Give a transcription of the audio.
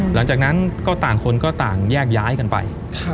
หลังจากนั้นก็ต่างคนก็ต่างแยกย้ายกันไป